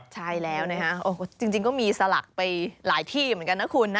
ใช่แล้วนะฮะจริงก็มีสลักไปหลายที่เหมือนกันนะคุณนะ